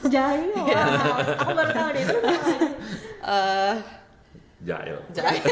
jail wow aku baru tahu dia itu namanya